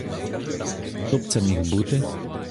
Хто б це міг бути?